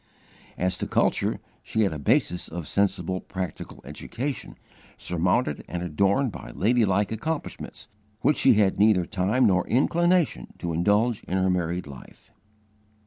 '" As to culture, she had a basis of sensible practical education, surmounted and adorned by ladylike accomplishments which she had neither time nor inclination to indulge in her married life.